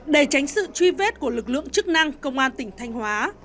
để tránh sự truy vết của lực lượng chức năng công an tỉnh thanh hóa